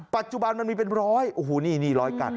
ปัจจุบันมันมีเป็นร้อยโอ้โหนี่นี่ร้อยกัน